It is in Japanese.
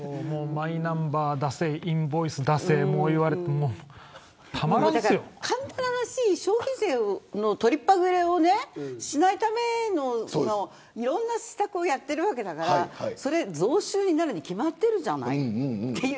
マイナンバーを出せインボイス出せと言われて消費税の取りっぱぐれをしないための、いろんな施策をやってるわけだからそれは増収になるに決まってるじゃない。